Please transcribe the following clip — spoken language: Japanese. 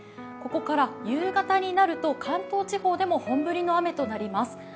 ここから夕方になると、関東地方でも本降りの雨となります。